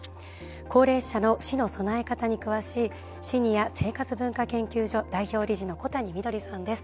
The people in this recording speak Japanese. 高齢者の死の備え方に詳しいシニア生活文化研究所代表理事の小谷みどりさんです。